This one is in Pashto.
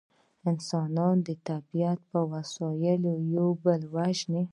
انسانان د طبیعت په وسایلو یو بل وژني